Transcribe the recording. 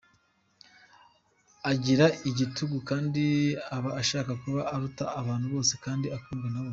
Agira igitugu kandi aba ashaka kuba aruta abantu bose kandi akundwa na bose.